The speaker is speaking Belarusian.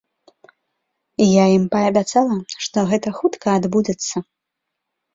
Я ім паабяцала, што гэта хутка адбудзецца.